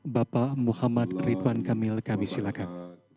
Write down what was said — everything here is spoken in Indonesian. bapak muhammad ridwan kamil kami silakan